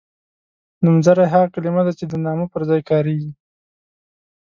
نومځری هغه کلمه ده چې د نامه پر ځای کاریږي.